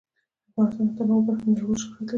افغانستان د تنوع په برخه کې نړیوال شهرت لري.